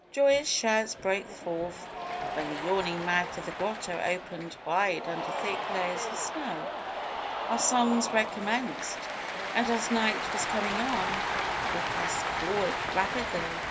Joyous shouts broke forth when the yawning mouth of the grotto opened wide under thick layers of snow. Our songs recommenced, and, as night was coming on, we pressed forward rapidly.